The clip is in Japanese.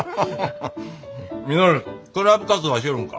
稔クラブ活動はしょおるんか？